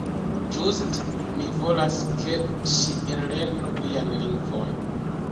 Ĝuste, mi volas, ke ŝi ellernu vian lingvon.